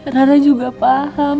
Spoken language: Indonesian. rara juga paham